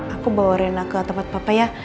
aku bawa rena ke tempat papa ya